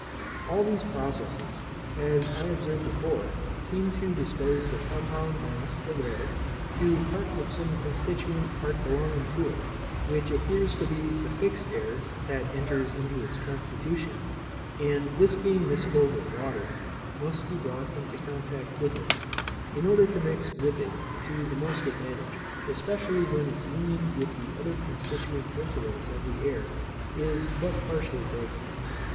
All these processes, as I observed before, seem to dispose the compound mass of air to part with some constituent part belonging to it (which appears to be the fixed air that enters into its constitution) and this being miscible with water, must be brought into contact with it, in order to mix with it to the most advantage, especially when its union with the other constituent principles of the air is but partially broken.